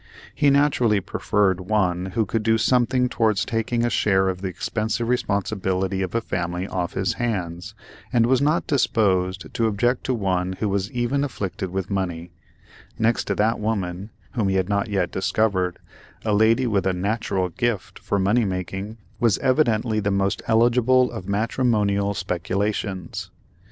He naturally preferred one who could do something towards taking a share of the expensive responsibility of a family off his hands, and was not disposed to object to one who was even afflicted with money;—next to that woman, whom he had not yet discovered, a lady with a "natural gift" for money making was evidently the most eligible of matrimonial speculations.